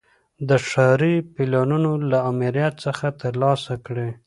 د ښاري پلانونو له آمریت څخه ترلاسه کړي.